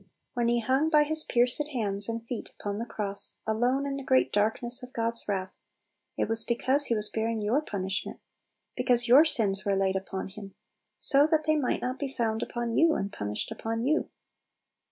When He hung by His pierced hands and feet upon the cross, alone in the great darkness of God's wrath, it was because He was bearing your punish ment, because your sins were laid upon Him, so that they might not be found upon you, and punished upon you.